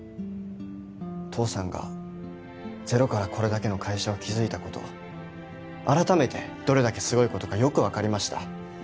父さんがゼロからこれだけの会社を築いたこと改めてどれだけすごいことかよく分かりました